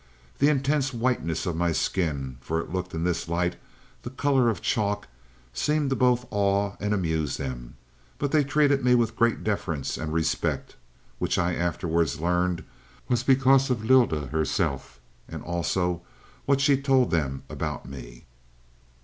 The intense whiteness of my skin, for it looked in this light the color of chalk, seemed to both awe and amuse them. But they treated me with great deference and respect, which I afterwards learned was because of Lylda herself, and also what she told them about me.